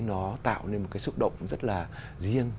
nó tạo nên một sức động rất là riêng